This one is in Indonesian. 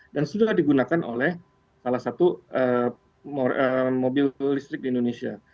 dan sudah digunakan oleh salah satu mobil listrik di indonesia